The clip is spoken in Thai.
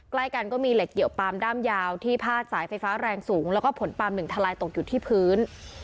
ใกล้กันก็มีเหล็กเกี่ยวปามด้ามยาวที่พาดสายไฟฟ้าแรงสูงแล้วก็ผลปาล์มหนึ่งทะลายตกอยู่ที่พื้น